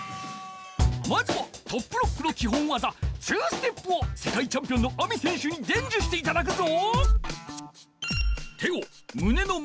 まずはトップロックのきほんわざ２ステップをせかいチャンピオンのＡＭＩ選手にでんじゅしていただくぞ！